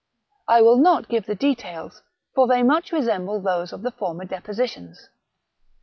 I will not give the details, for they much resemble those of the former depositions.